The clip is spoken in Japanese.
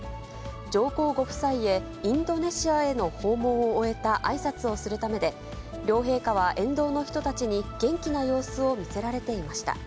上皇ご夫妻へインドネシアへの訪問を終えたあいさつをするためで、両陛下は沿道の人たちに元気な様子を見せられていました。